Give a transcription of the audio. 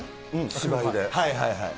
芝居で。